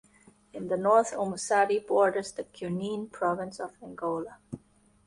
In the north, Omusati borders the Cunene Province of Angola.